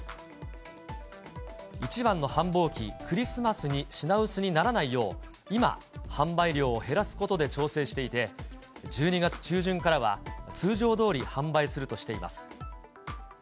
一番の繁忙期、クリスマスに品薄にならないよう、今、販売量を減らすことで調整していて、１２月中旬からは通常どおり販売するとしています。